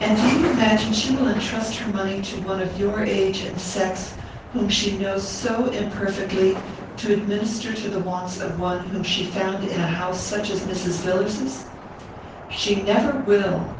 "And do you imagine she will intrust her money to one of your age and sex, whom she knows so imperfectly, to administer to the wants of one whom she found in such a house as Mrs. Villars's? She never will.